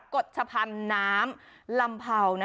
คุณน้ำลำเผา